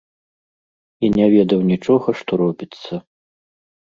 І не ведаў нічога, што робіцца.